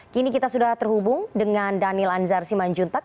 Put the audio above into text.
kini kita sudah terhubung dengan daniel anzar simanjuntak